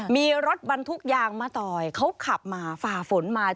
มีรถบรรทุกยางมะตอยเขาขับมาฝ่าฝนมา